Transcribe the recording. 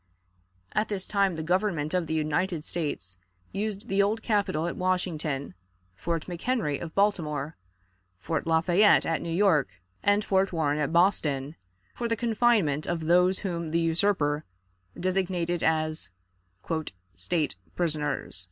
At this time the Government of the United States used the Old Capitol at Washington, Fort McHenry of Baltimore, Fort Lafayette at New York, and Fort Warren at Boston, for the confinement of those whom the usurper designated as "state prisoners."